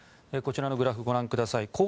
こちらのグラフをご覧ください。